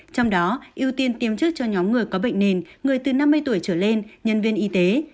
trong đó ưu tiên tiêm trước cho nhóm người có bệnh nền người từ năm mươi tuổi trở lên nhân viên y tế